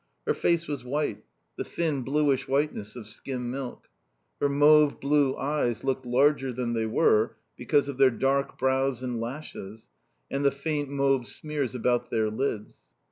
Her face was white; the thin bluish whiteness of skim milk. Her mauve blue eyes looked larger than they were because of their dark brows and lashes, and the faint mauve smears about their lids.